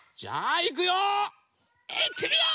いってみよう！